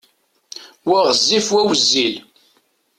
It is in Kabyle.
Wa ɣezzif, wa wezzil.